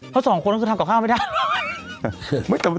เพราะสองคนก็คือทำกับข้าวไม่ได้